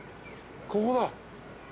ここだ。